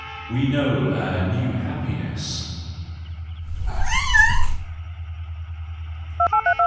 We know a new happiness.